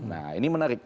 nah ini menarik